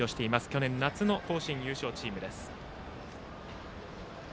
去年夏の甲子園、優勝チームです。